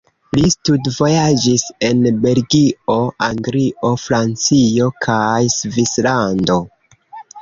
Li studvojaĝis en Belgio, Anglio, Francio kaj Svislando.